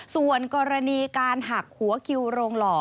ส่วนกรณีการหักหัวคิวโรงหล่อ